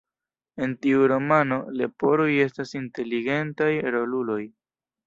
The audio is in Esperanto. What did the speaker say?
En tiu romano, leporoj estas inteligentaj roluloj.